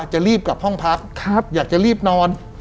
จะรีบกลับห้องพักอยากจะรีบนอน